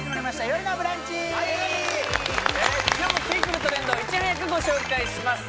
今日も次くるトレンドをいち早くご紹介します